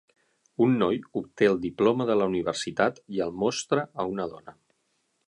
Un noi obté el diploma de la universitat i el mostra a una dona.